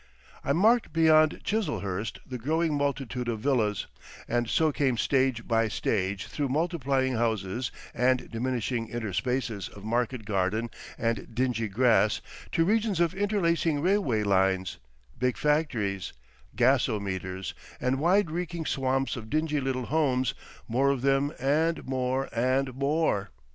I marked beyond Chiselhurst the growing multitude of villas, and so came stage by stage through multiplying houses and diminishing interspaces of market garden and dingy grass to regions of interlacing railway lines, big factories, gasometers and wide reeking swamps of dingy little homes, more of them and more and more.